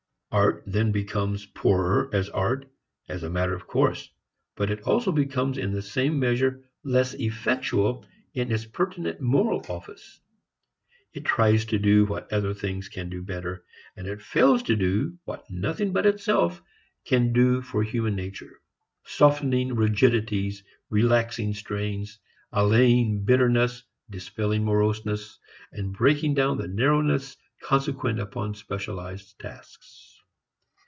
Art then becomes poorer as art as a matter of course, but it also becomes in the same measure less effectual in its pertinent moral office. It tries to do what other things can do better, and it fails to do what nothing but itself can do for human nature, softening rigidities, relaxing strains, allaying bitterness, dispelling moroseness, and breaking down the narrowness consequent upon specialized tasks.